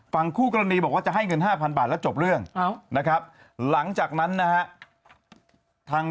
คู่กรณีบอกว่าจะให้เงิน๕๐๐บาทแล้วจบเรื่องนะครับหลังจากนั้นนะฮะ